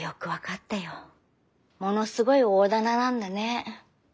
ものすごい大店なんだね。